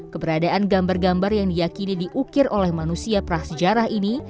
keberadaan gambar gambar yang diyakini diukir oleh manusia prasejarah ini